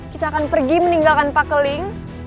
kita akan pergi meninggalkan pak keling